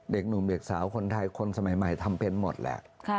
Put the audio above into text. เด็กหนุ่มเด็กสาวคนไทยคนสมัยใหม่ทำเป็นหมดแหละ